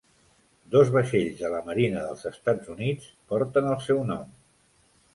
Dos vaixells de la Marina dels Estats Units porten el seu nom.